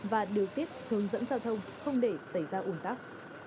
và điều tiết hướng dẫn giao thông không để xảy ra ủn tắc